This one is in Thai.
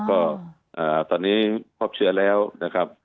ก็ตอนนี้พบเชื้อแล้วนะครับ